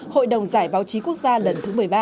hội đồng giải báo chí quốc gia lần thứ một mươi ba